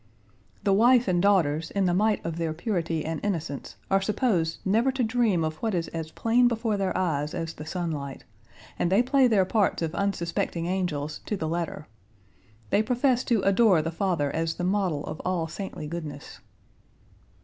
"The wife and daughters in the might of their purity and innocence are supposed never to dream of what is as plain before their eyes as the sunlight, and they play their parts of unsuspecting angels to the letter. They profess to adore the father as the model of all saintly goodness."